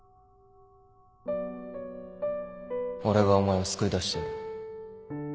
俺がお前を救い出してやる